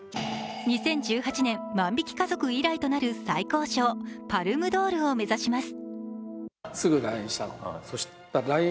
２０１８年「万引き家族」以来となる最高賞パルムドールを目指します。